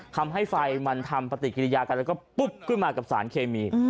ทำให้ไฟมันทำปฏิกิริยากันแล้วก็ปุ๊บขึ้นมากับสารเคมี